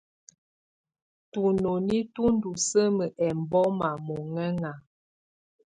Tunoní tú ndɔ́ sǝ́mǝ́ ɛmbɔma mɔɲǝŋa.